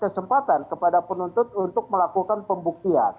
kesempatan kepada penuntut untuk melakukan pembuktian